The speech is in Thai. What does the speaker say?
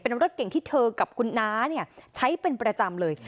เป็นรถเก่งที่เธอกับคุณน้าใช้เป็นประจำเลย